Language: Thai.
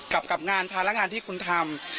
กับงานภาระงานที่คุณทำ